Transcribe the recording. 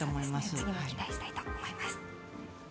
次も期待したいと思います。